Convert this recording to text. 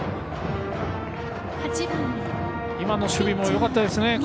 今の守備もよかったですね。